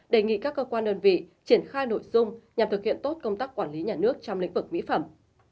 đề nghị các cơ quan đơn vị triển khai nội dung nhằm thực hiện tốt công tác quản lý nhà nước trong lĩnh vực mỹ phẩm